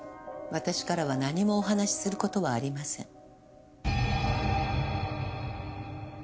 私からは何もお話しする事はありません。